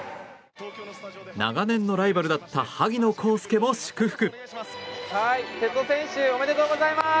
長年のライバルだった萩野公介も祝福。